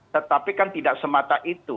tetapi kan tidak semata itu